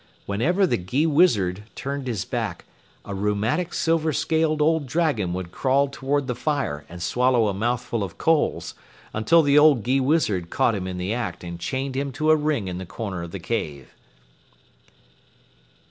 Whenever the Gheewizard turned his back, a rheumatic silver scaled old dragon would crawl toward the fire and swallow a mouthful of coals, until the old Gheewizard caught him in the act and chained him to a ring in the corner of the cave.